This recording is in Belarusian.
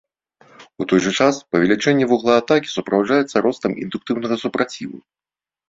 У той жа час, павелічэнне вугла атакі суправаджаецца ростам індуктыўнага супраціву.